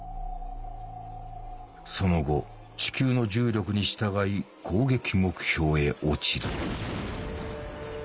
その後地球の重力に従い攻撃目標へ落ちる。